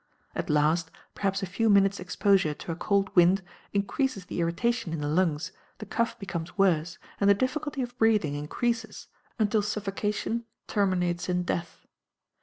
At last, perhaps a few minutes' exposure to a cold wind increases the irritation in the lungs, the cough becomes worse, and the difficulty of breathing increases until suffocation terminates in death.